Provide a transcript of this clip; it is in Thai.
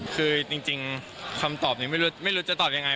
คือจริงคำตอบนี้ไม่รู้จะตอบยังไง